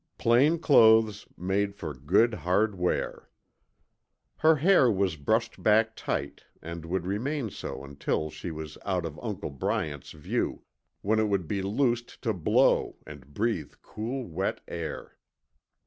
Plain clothes, made for good, hard wear. Her hair was brushed back tight and would remain so until she was out of Uncle Bryant's view, when it would be loosed to blow, and breathe cool, wet air.